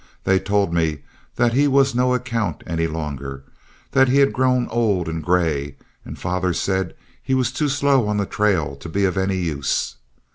They told me that he was no account any longer; that he had grown old and gray, and father said he was too slow on trail to be of any use.